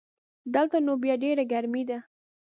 دلته نو بیا ډېره ګرمي ده